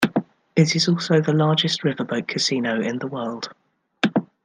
It is also the largest riverboat casino in the world.